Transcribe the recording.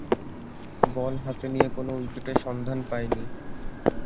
বল হাতে নিয়ে কোন উইকেটের সন্ধান পাননি।